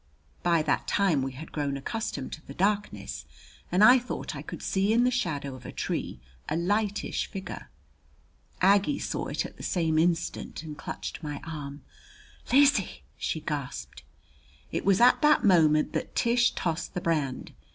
By that time we had grown accustomed to the darkness, and I thought I could see in the shadow of a tree a lightish figure. Aggie saw it at the same instant and clutched my arm. "Lizzie!" she gasped. It was at that moment that Tish tossed the brand.